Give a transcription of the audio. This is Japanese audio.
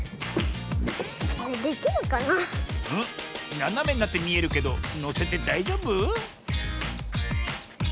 ななめになってみえるけどのせてだいじょうぶ？